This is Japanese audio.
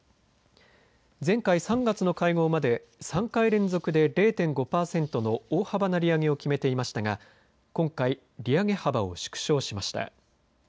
前回３月の会合まで３回連続で０．５パーセントの大幅な利上げを決めていましたが今回、利上げ幅を縮小しました。